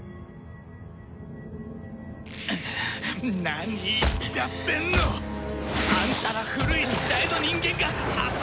何言っちゃってんの！あんたら古い時代の人間が浅ましいだけじゃない！